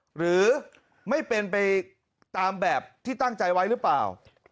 หรือไม่เป็นไปตามแบบที่ตั้งใจไว้หรือเปล่า